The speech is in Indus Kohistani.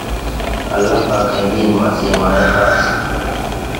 اللہ پاکَیں دین مہ اسی معنہ خاص